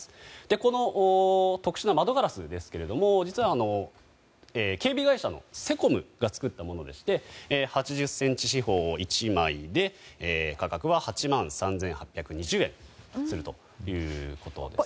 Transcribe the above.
この特殊な窓ガラスですけども実は警備会社のセコムが作ったものでして８０ｃｍ四方１枚で価格は８万３８２０円するということです。